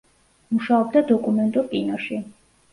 მუშაობდა დოკუმენტურ კინოში.